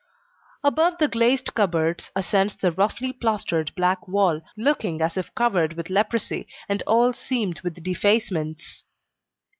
Above the glazed cupboards, ascends the roughly plastered black wall, looking as if covered with leprosy, and all seamed with defacements.